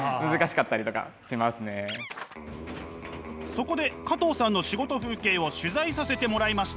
そこで加藤さんの仕事風景を取材させてもらいました。